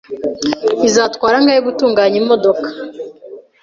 Bizatwara angahe gutunganya imodoka?